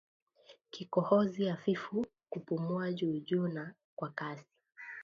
Kikohozi hafifu kupumua juujuu na kwa kasi